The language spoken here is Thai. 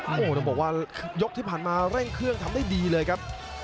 โอ้โหต้องบอกว่ายกที่ผ่านมาเร่งเครื่องทำได้ดีเลยครับ